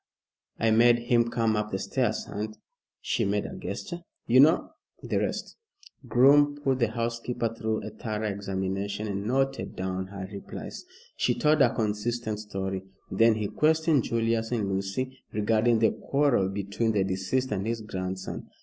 I made him come up the stairs and" she made a gesture "you know the rest." Groom put the housekeeper through a thorough examination, and noted down her replies. She told a consistent story. Then he questioned Julius and Lucy regarding the quarrel between the deceased and his grandson.